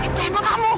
itu emang kamu